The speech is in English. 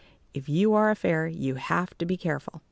If you are a fairy, you have to be careful.